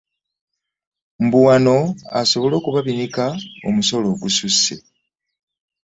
Mbu wano asobole okubabinika omusolo ogususse